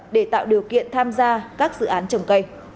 để tạo điều kiện tham gia các dự án trồng cây